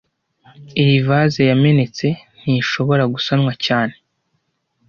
Iyi vase yamenetse ntishobora gusanwa cyane